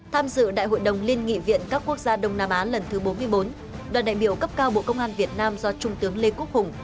tham dự đại hội đồng liên nghị viện các quốc gia đông nam á lần thứ bốn mươi bốn đoàn đại biểu cấp cao bộ công an việt nam do trung tướng lê quốc hùng